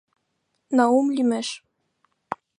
Наум лӱмеш.